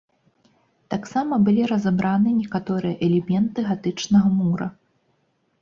Таксама былі разабраны некаторыя элементы гатычнага мура.